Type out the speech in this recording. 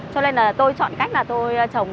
cho nên là tôi chọn cách là tôi trồng